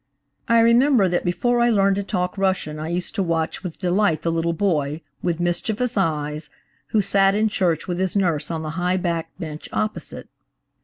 I remember that before I learned to talk Russian I used to watch with delight the little boy, with mischievous eyes, who sat in church with his nurse on the high backed bench opposite.